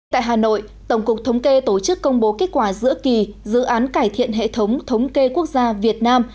tại hà nội tổng cục thống kê tổ chức công bố kết quả giữa kỳ dự án cải thiện hệ thống thống kê quốc gia việt nam